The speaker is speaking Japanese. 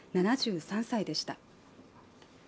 ７３歳でした。